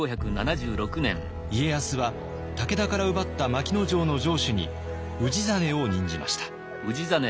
家康は武田から奪った牧野城の城主に氏真を任じました。